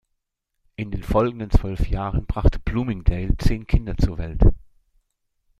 In den folgenden zwölf Jahren brachte Bloomingdale zehn Kinder zur Welt.